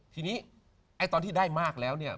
ทีนี้ไอ้ตอนที่ได้มากแล้วเนี่ย